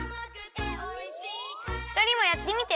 ふたりもやってみて。